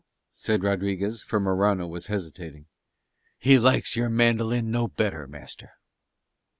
said Rodriguez, for Morano was hesitating. "He likes your mandolin no better, master."